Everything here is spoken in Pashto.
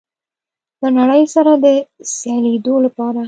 له نړۍ سره د سیالېدو لپاره